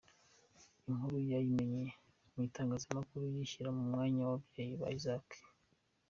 Inkuru yayimenyeye mu itangazamakuru, yishyira mu mwanya w’ababyeyi ba Isaac.